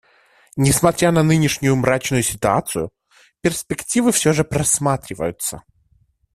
Несмотря на нынешнюю мрачную ситуацию, перспективы все же просматриваются.